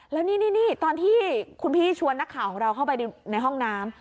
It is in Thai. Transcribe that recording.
แล้วนี่ตอนที่คุณพี่ชวนนักข่าวของเราเข้าไปในห้องน้ำ